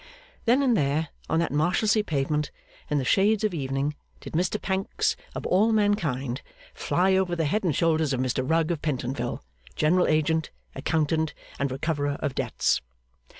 Then and there, on that Marshalsea pavement, in the shades of evening, did Mr Pancks, of all mankind, fly over the head and shoulders of Mr Rugg of Pentonville, General Agent, Accountant, and Recoverer of Debts.